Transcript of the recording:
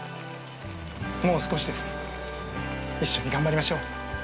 もう少しです一緒に頑張りましょう。